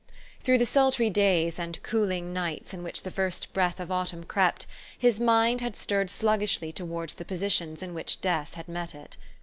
Through the sultry days and cooling nights in which the first breath of autumn crept, his mind had stirred sluggishly towards the positions in which death had met it.